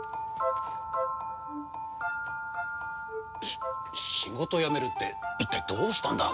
し仕事を辞めるって一体どうしたんだ？